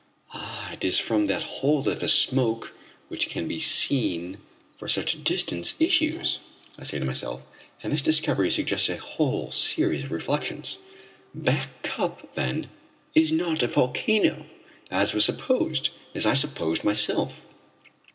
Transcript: "It is from that hole that the smoke which can be seen for such a distance issues," I say to myself, and this discovery suggests a whole series of reflections. Back Cup, then, is not a volcano, as was supposed as I supposed myself.